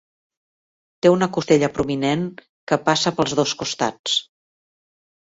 Té una costella prominent que passa pels dos costats.